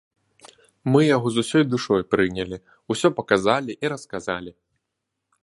Мы яго з усёй душой прынялі, усё паказалі і расказалі.